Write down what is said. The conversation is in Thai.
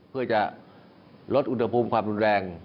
เพื่อจะลดอุณหภูมิความรุนแรง